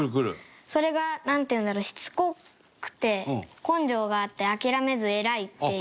それが、なんていうんだろうしつこくて根性があって諦めず、偉いっていう。